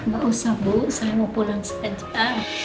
gak usah bu saya mau pulang sekejap